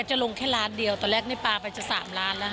จะลงแค่ล้านเดียวตอนแรกนี่ปลาไปจะ๓ล้านแล้วค่ะ